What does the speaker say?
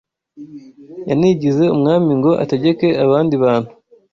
Yanigize umwami ngo ategeke abandi bantu.